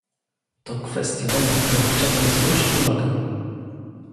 To kwestia, na którą chciałem zwrócić uwagę